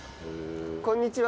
こんにちは。